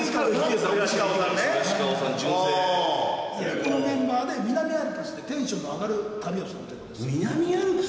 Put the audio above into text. このメンバーで南アルプスでテンションが上がる旅をされたようです